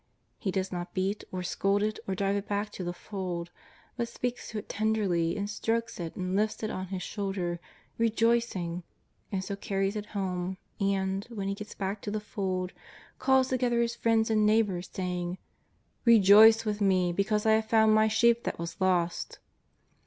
He does not beat, or scold it, or drive it back to the fold, but speaks to it tenderly, and strokes it, and lifts it on his shoulder rejoicing, and so carries it home, and, when he gets back to the fold, calls together his friends and neighbours, saying: " Rejoice with me because I have found my sheep that was lost.''